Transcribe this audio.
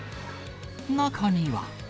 中には。